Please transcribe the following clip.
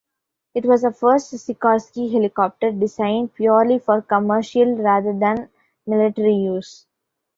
It was the first Sikorsky helicopter designed purely for commercial rather than military use.